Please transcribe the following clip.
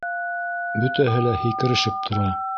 - Бөтәһе лә һикерешеп тора.